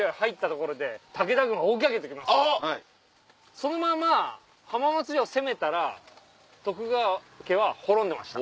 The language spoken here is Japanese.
そのまま浜松城攻めたら徳川家は滅んでました。